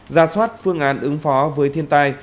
gia soát phương án ứng phó với thiên tai